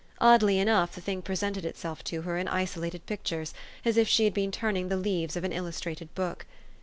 Oddly enough the thing presented itself to her in isolated pictures, as if she had been turning the leaves of an illustrated book.